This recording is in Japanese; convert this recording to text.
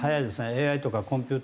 ＡＩとかコンピューター。